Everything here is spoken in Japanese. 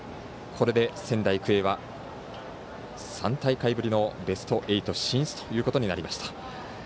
これで仙台育英は３大会ぶりのベスト８進出ということになりました。